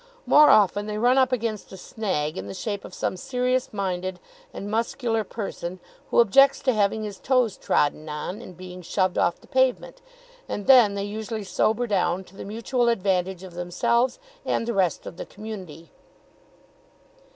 More often they run up against a snag in the shape of some serious minded and muscular person who objects to having his toes trodden on and being shoved off the pavement, and then they usually sober down, to the mutual advantage of themselves and the rest of the community.